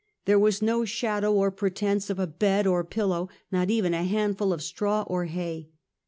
There was no shadow or pretense of a bed or pillow, not even a handful of straw or hay